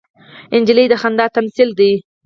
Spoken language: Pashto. نجلۍ د خندا تمثیل ده.